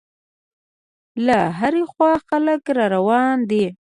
له هرې خوا خلک را روان دي.